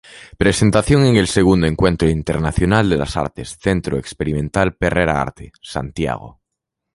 Presentación en el Segundo Encuentro Internacional de las Artes, Centro Experimental Perrera Arte, Santiago.